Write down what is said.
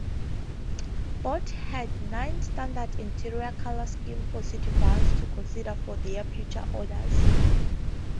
Both had non-standard interior colour schemes for Citybus to consider for their future orders.